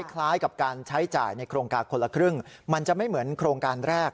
คล้ายกับการใช้จ่ายในโครงการคนละครึ่งมันจะไม่เหมือนโครงการแรก